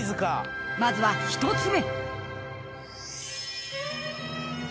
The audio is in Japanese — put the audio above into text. ［まずは１つ目］